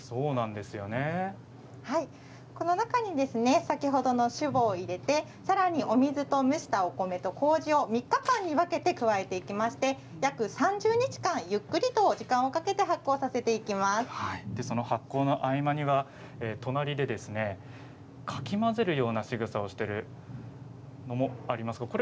この中に先ほどの酒母を入れてさらにお水と蒸したお米とこうじを３日間に分けて加えていきまして約３０日間、ゆっくりと時間を発酵の合間には隣でかき混ぜるようなしぐさをしているのもあります。